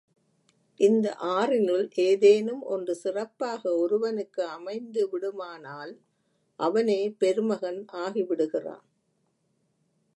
இந்த ஆறினுள் ஏதேனும் ஒன்று சிறப்பாக ஒருவனுக்கு அமைந்துவிடுமானால் அவனே பெருமகன் ஆகிவிடுகிறான்.